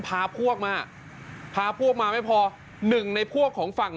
พาพวกมาพาพวกมาไม่พอหนึ่งในพวกของฝั่ง